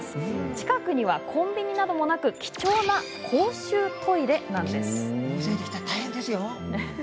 近くにはコンビニなどもなく貴重な公衆トイレなんです。